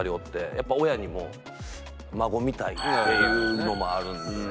やっぱ親にも「孫見たい」っていうのもあるので。